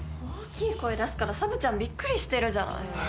大きい声出すからサブちゃんびっくりしてるじゃない。